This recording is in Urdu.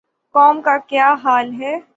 قوم کا کیا حال ہے۔